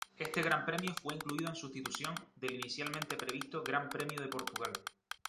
Este Gran Premio fue incluido en sustitución del inicialmente previsto Gran Premio de Portugal.